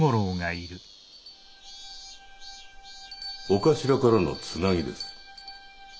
お頭からのつなぎです。